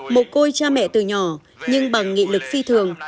một cô cha mẹ từ nhỏ nhưng bằng nghị lực phi thường